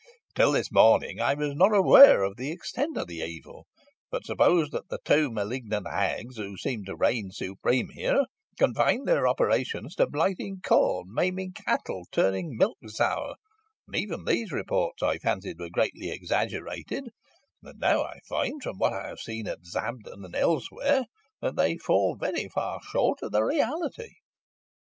"Till this morning I was not aware of the extent of the evil, but supposed that the two malignant hags, who seem to reign supreme here, confined their operations to blighting corn, maiming cattle, turning milk sour; and even these reports I fancied were greatly exaggerated; but I now find, from what I have seen at Sabden and elsewhere, that they fall very far short of the reality."